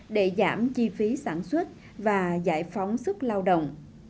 để giảm chi phí sản xuất và giải phóng sức lao động